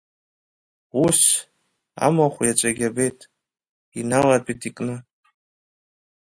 Ус, амахә иаҵәагь абеит, иналатәеит икны.